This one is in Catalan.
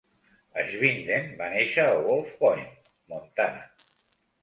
Schwinden va néixer a Wolf Point, Montana.